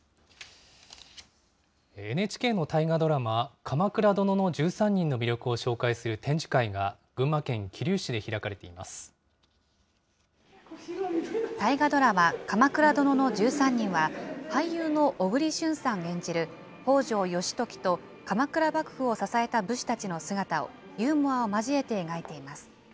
ＮＨＫの大河ドラマ、鎌倉殿の１３人の魅力を紹介する展示会が、大河ドラマ、鎌倉殿の１３人は、俳優の小栗旬さん演じる、北条義時と鎌倉幕府を支えた武士たちの姿を、ユーモアを交えて描いています。